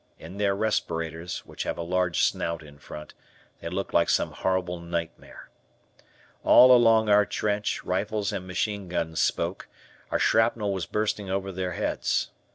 In their respirators, which have a large snout in front, they looked like some horrible nightmare. All along our trench, rifles and machine guns spoke, our shrapnel was bursting over their heads.